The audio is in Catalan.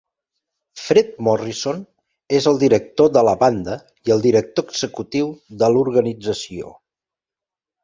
Fred Morrison és el director de la banda i el director executiu de l'organització.